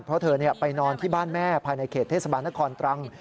เพราะเธอไปนอนที่บ้านแม่ภายในเขตเทศบาลนครตรัง